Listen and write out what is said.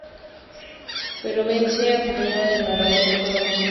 Pero Vance, acompañado del narrador protagonista Van Dine, sospechan de esta solución.